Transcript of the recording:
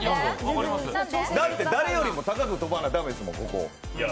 だって誰よりも高く跳ばないとだめやもん、ここ。